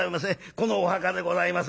このお墓でございます」。